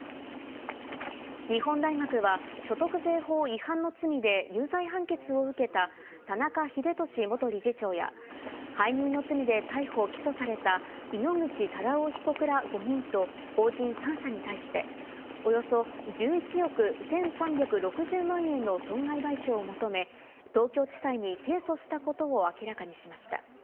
日本大学は、所得税法違反の罪で有罪判決を受けた田中英壽元理事長や、背任の罪で逮捕・起訴された井ノ口忠男被告ら５人と法人３社に対して、およそ１１億１３６０万円の損害賠償を求め、東京地裁に提訴したことを明らかにしました。